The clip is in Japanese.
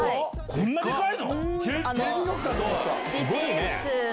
こんなデカいの？